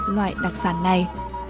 loại đặc sản này